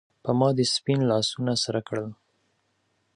پۀ ما دې سپین لاسونه سرۀ کړل